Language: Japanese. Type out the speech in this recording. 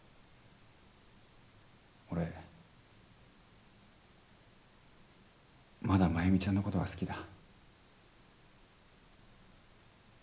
俺まだ繭美ちゃんのことが好きだ。